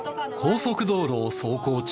高速道路を走行中。